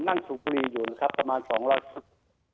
นั่งสูงปรีอยู่นะครับประมาณ๒๐๐รก